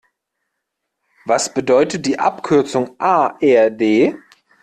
Was bedeutet die Abkürzung A-R-D?